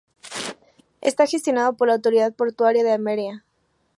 Está gestionado por la Autoridad Portuaria de Almería.